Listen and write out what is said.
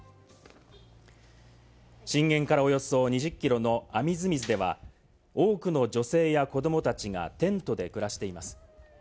震源からおよそ２０キロのアミズミズでは、多くの女性や子どもたちがテントで暮らしています。